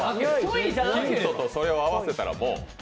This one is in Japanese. ヒントとそれを合わせたらもう。